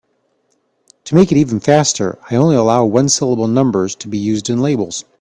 To make it even faster, I only allow one-syllable numbers to be used in labels.